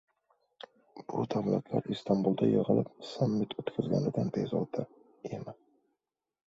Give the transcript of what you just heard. bu davlatlar Istanbulda yig‘ilib, sammit o‘tkazganidan bezovta. Emi